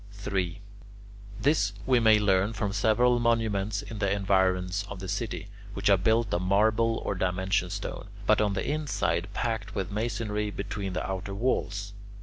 3. This we may learn from several monuments in the environs of the city, which are built of marble or dimension stone, but on the inside packed with masonry between the outer walls.